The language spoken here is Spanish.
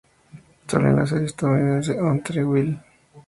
Salió en la serie estadounidense "One Tree Hill".